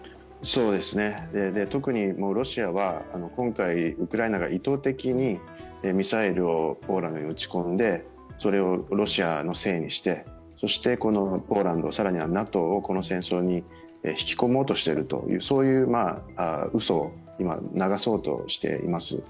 特にロシアは今回ウクライナが意図的にミサイルをポーランドに撃ち込んで、それをロシアのせいにして、そしてポーランド、更にＮＡＴＯをこの戦争に引き込もうとしているといううそを流そうとしています。